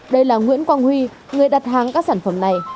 đây là nguyễn quang huy người đặt hàng các sản phẩm này